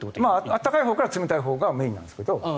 暖かいほうから冷たいほうがメインなんですけど。